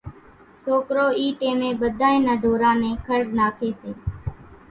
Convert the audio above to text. سوڪرو اِي ٽيمين ٻڌانئين نان ڍوران نين کڙ ناکي سي،